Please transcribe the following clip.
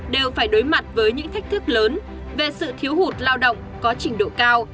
đều phải đối mặt với những thách thức lớn về sự thiếu hụt lao động có trình độ cao